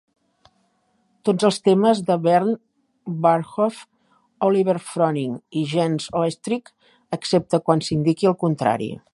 Tots els temes de Bernd Burhoff, Oliver Froning i Jens Oetrich excepte quan s'indiqui el contrari.